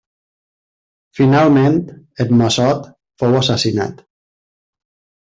Finalment, en Massot fou assassinat.